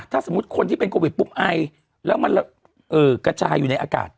ถ้าสมมุติคนที่เป็นโควิดปุ๊บไอแล้วมันกระจายอยู่ในอากาศ